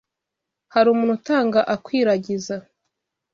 Hari umuntu utanga akwiragiza